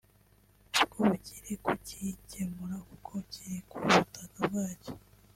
ubwo bukiri kukicyemura kuko kiri ku butaka bwacyo